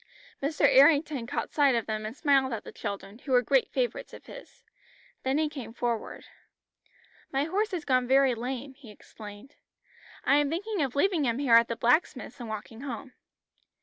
Mr. Errington caught sight of them and smiled at the children, who were great favourites of his. Then he came forward. "My horse has gone very lame," he explained. "I am thinking of leaving him here at the blacksmith's and walking home."